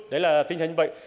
đấy là tinh thần như vậy